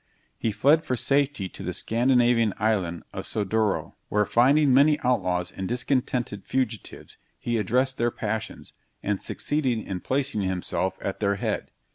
He fled for safety to the Scandinavian island of Soderoe, where finding many outlaws and discontented fugitives, he addressed their passions, and succeeded in placing himself at their head.